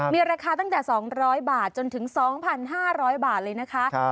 มีราคาตั้งแต่๒๐๐บาทจนถึง๒๕๐๐บาทเลยนะคะ